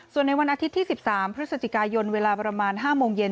ส่วนในวันอาทิตย์ที่๑๓พฤศจิกายนเวลาประมาณ๕โมงเย็น